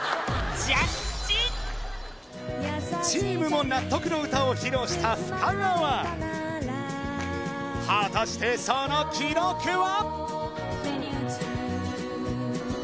チームも納得の歌を披露した深川果たしてその記録は？